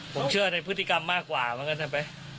ผมเชื่อในพฤติกรรมมากกว่าเหมือนกันใช่ไหม